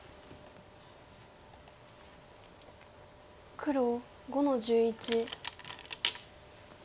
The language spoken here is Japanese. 黒５の十一。